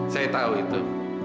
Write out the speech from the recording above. saya tahu itu